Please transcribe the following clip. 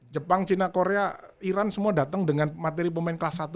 jepang cina korea iran semua datang dengan materi pemain kelas satu